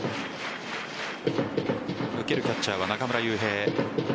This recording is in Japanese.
受けるキャッチャーは中村悠平。